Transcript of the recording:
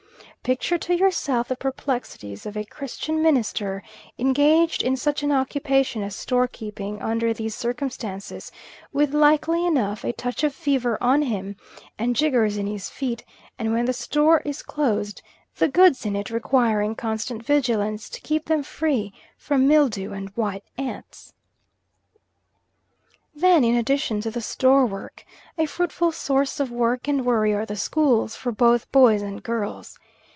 Picture to yourself the perplexities of a Christian minister, engaged in such an occupation as storekeeping under these circumstances, with, likely enough, a touch of fever on him and jiggers in his feet; and when the store is closed the goods in it requiring constant vigilance to keep them free from mildew and white ants. Then in addition to the store work, a fruitful source of work and worry are the schools, for both boys and girls.